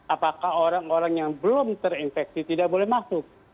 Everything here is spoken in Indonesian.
apakah orang orang yang belum terinfeksi tidak boleh masuk